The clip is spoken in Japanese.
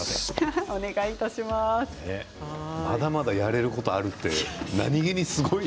まだまだやれることがあるって、何気にすごい。